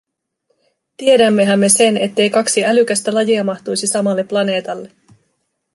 Tiedämmehän me sen, ettei kaksi älykästä lajia mahtuisi samalle planeetalle.